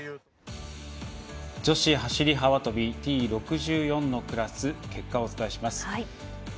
女子走り幅跳びＴ６４のクラスの結果をお伝えします。